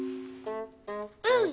うん！